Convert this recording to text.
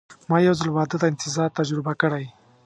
ما یو ځل واده ته انتظار تجربه کړی.